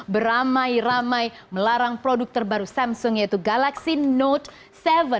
beramai ramai melarang produk terbaru samsung yaitu galaxy note tujuh